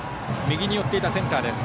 右に寄っていたセンター。